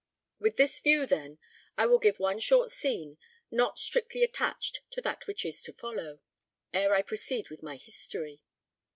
With this view, then, I will give one short scene not strictly attached to that which is to follow, ere I proceed with my history.